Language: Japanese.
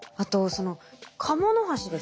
そのカモノハシですか？